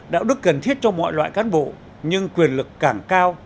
đạo đức cần thiết cho mọi loại cán bộ nhưng quyền lực càng cao